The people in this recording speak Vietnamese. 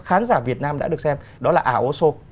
khán giả việt nam đã được xem đó là aosso